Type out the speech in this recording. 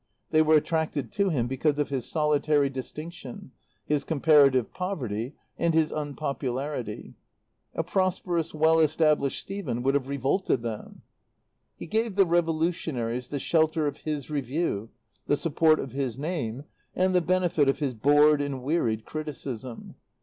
They were attracted to him because of his solitary distinction, his comparative poverty, and his unpopularity. A prosperous, well established Stephen would have revolted them. He gave the revolutionaries the shelter of his Review, the support of his name, and the benefit of his bored and wearied criticism.